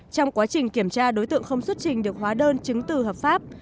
trong quá trình kiểm tra đối tượng không xuất trình được hóa đơn chứng từ hợp pháp